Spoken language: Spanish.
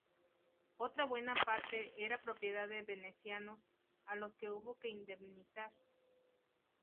Otra buena parte era propiedad de venecianos, a los que hubo que indemnizar.